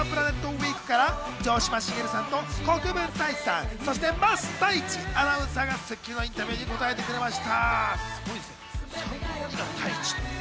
ウィークから城島茂さんと国分太一さん、そして桝太一アナウンサーが『スッキリ』のインタビューに答えてくれました。